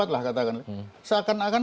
dua ribu empat lah katakan seakan akan